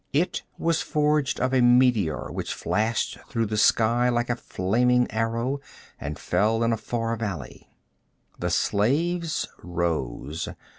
It was forged of a meteor which flashed through the sky like a flaming arrow and fell in a far valley. The slaves rose.